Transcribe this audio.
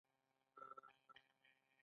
د مختلفو افرادو ترمنځ د کار ویشل اړین دي.